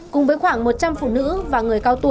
cùng với khoảng một trăm linh phụ nữ